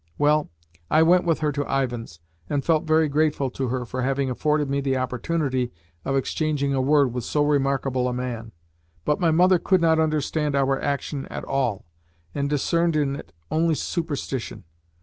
Well, I went with her to Ivan's, and felt very grateful to her for having afforded me the opportunity of exchanging a word with so remarkable a man; but my mother could not understand our action at all, and discerned in it only superstition.